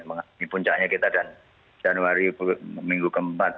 ini puncaknya kita dan januari minggu keempat